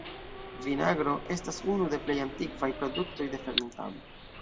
Vinagro estas unu de plej antikvaj produktoj de fermentado.